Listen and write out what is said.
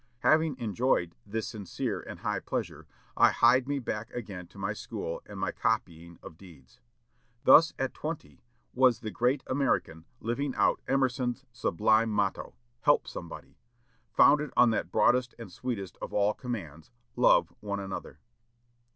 Having enjoyed this sincere and high pleasure, I hied me back again to my school and my copying of deeds." Thus at twenty was the great American living out Emerson's sublime motto, "Help somebody," founded on that broadest and sweetest of all commands, "Love one another."